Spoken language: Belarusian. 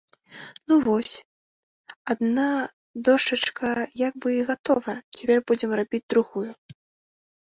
Ну, вось адна дошчачка як бы і гатова, цяпер будзем рабіць другую.